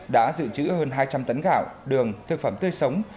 đã dự trữ hơn hai trăm linh tấn gạo đường thực phẩm tươi sống